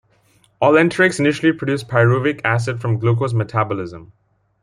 All enterics initially produce pyruvic acid from glucose metabolism.